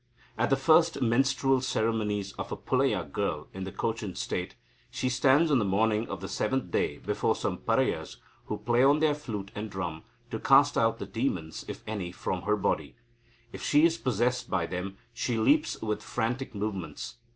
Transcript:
At the first menstrual ceremonies of a Pulaya girl in the Cochin State, she stands on the morning of the seventh day before some Parayas, who play on their flute and drum, to cast out the demons, if any, from her body. If she is possessed by them, she leaps with frantic movements.